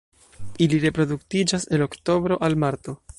Ili reproduktiĝas el oktobro al marto.